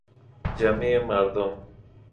جمیع مردم